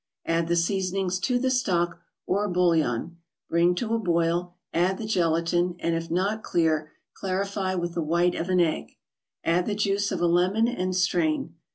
Add the seasonings to the stock or bouillon, bring to a boil, add the gelatin, and if not clear, clarify with the white of an egg. Add the juice of a lemon and strain.